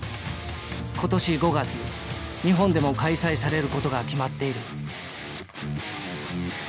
今年５月日本でも開催されることが決まっている。